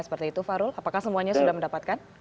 seperti itu farul apakah semuanya sudah mendapatkan